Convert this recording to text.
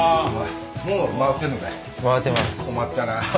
困ったな。